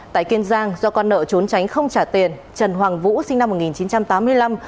tại kiên giang do con nợ trốn tránh không trả tiền trần hoàng vũ sinh năm một nghìn chín trăm tám mươi năm